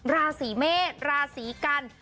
ราศีเมษราศีกัน